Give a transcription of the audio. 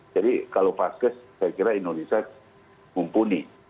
jadi kalau vaskes saya kira indonesia mumpuni